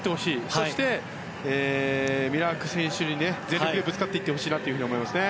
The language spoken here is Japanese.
そして、ミラーク選手に全力でぶつかっていってほしいなと思います。